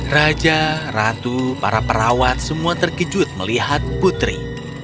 raja ratu para perawat semua terkejut melihat putri